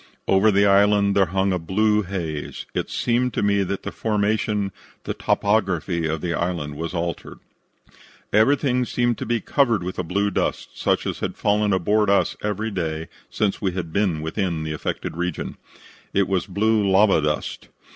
Over the island there hung a blue haze. It seemed to me that the formation, the topography, of the island was altered. "Everything seemed to be covered with a blue dust, such as had fallen aboard us every day since we had been within the affected region. It was blue lava dust.